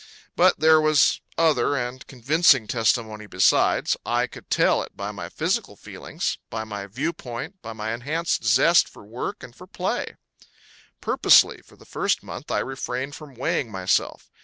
But there was other and convincing testimony besides. I could tell it by my physical feelings, by my viewpoint, by my enhanced zest for work and for play. Purposely, for the first month I refrained from weighing myself.